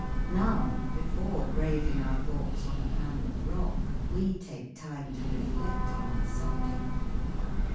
Now, before graving our thoughts on a panel of rock, we take time to reflect on our subject.